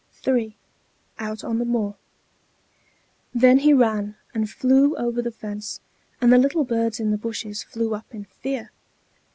III OUT ON THE MOOR Then he ran and flew over the fence, and the little birds in the bushes flew up in fear.